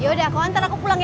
yaudah aku antar aku pulang ya